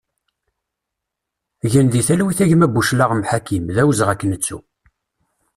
Gen di talwit a gma Buclaɣem Ḥakim, d awezɣi ad k-nettu!